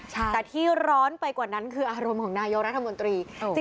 แต่ที่ร้อนไปกว่านั้นคืออารมณ์ของนายกรัฐมนตรี